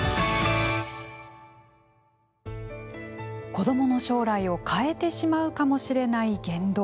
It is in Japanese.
子どもの将来を変えてしまうかもしれない言動